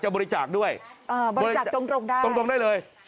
บริจักษ์ตรงได้